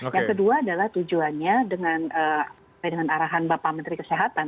yang kedua adalah tujuannya dengan arahan bapak menteri kesehatan